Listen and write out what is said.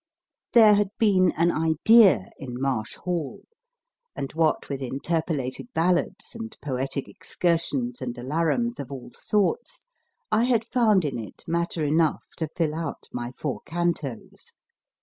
There had been an idea in 1 Marsh Hall/ and what with interpolated ballads and poetic excursions and alarums of all sorts, I had found in it matter enough to fill out my four cantos.